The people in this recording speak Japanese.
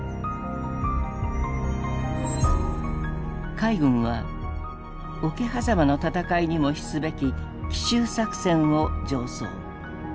海軍は「桶狭間の戦いにも比すべき」「奇襲作戦」を上奏。